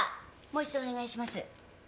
もう一度お願いします。